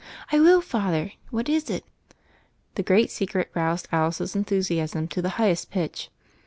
"I will, Father. What is it?" The great secret roused Alice's enthusiasm to the highest pitch.